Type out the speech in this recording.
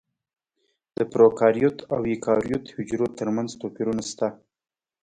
د پروکاریوت او ایوکاریوت حجرو ترمنځ توپیرونه شته.